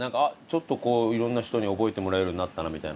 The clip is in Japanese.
ちょっと色んな人に覚えてもらえるようになったなみたいな。